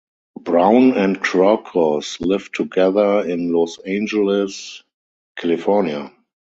Brown and Crokos lived together in Los Angeles, California.